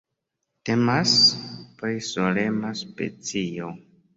Temas pri solema specio.